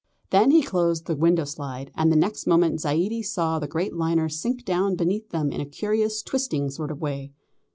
Then he closed the window slide, and the next moment Zaidie saw the great liner sink down beneath them in a curious twisting sort of way.